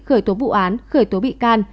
khởi tố vụ án khởi tố bị can